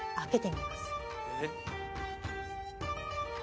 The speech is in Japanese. えっ？